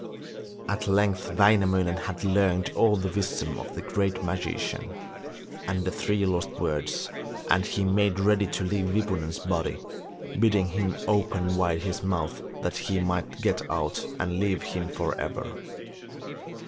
At length Wainamoinen had learned all the wisdom of the great magician, and the three lost words, and he made ready to leave Wipunen's body, bidding him open wide his mouth that he might get out and leave him for ever.